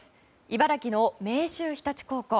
茨城の明秀日立高校。